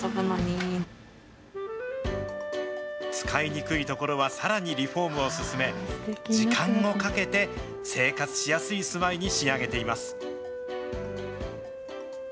使いにくいところはさらにリフォームを進め、時間をかけて生活しやすい住まいに仕上げています。